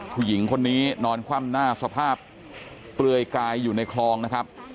ผู้หญิงคนนี้นอนคว่ำหน้าสภาพเปลือยกายอยู่ในคลองนะครับ